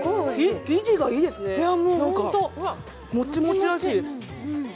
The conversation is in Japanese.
生地がいいですね、モチモチだし。